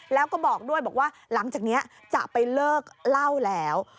แล้วก็บอกด้วยบอกว่าหลังจากนี้จะไปเลิกเล่าแล้ว